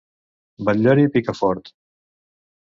Batllori, pica fort!